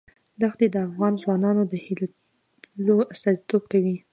ښتې د افغان ځوانانو د هیلو استازیتوب کوي.